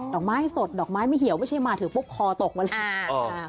อกไม้สดดอกไม้ไม่เหี่ยวไม่ใช่มาถึงปุ๊บคอตกมาเลย